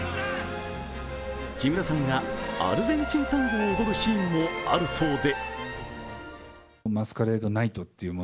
木村さんがアルゼンチンタンゴを踊るシーンもあるそうで。